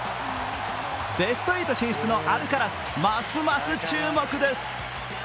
ベスト８進出のアルカラス、ますます、注目です。